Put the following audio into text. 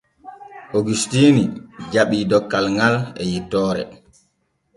Ogusitiini jaɓii dokkal ŋal e yettoore.